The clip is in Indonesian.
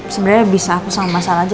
sebenarnya bisa aku sama masalah aja